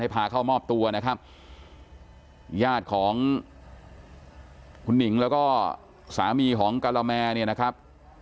พาเข้ามอบตัวนะครับญาติของคุณหนิงแล้วก็สามีของกะละแมเนี่ยนะครับ